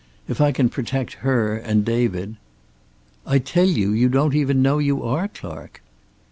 If I can protect her, and David " "I tell you, you don't even know you are Clark."